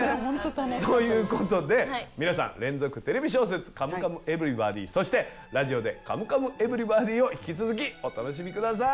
ということで皆さん連続テレビ小説「カムカムエヴリバディ」そして「ラジオで！カムカムエブリバディ」を引き続きお楽しみください。